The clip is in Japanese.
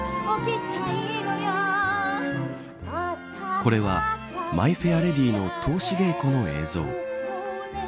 これはマイ・フェア・レディの通し稽古の映像。